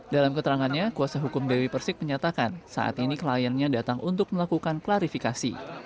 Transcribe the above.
dalam keterangannya kuasa hukum dewi persik menyatakan saat ini kliennya datang untuk melakukan klarifikasi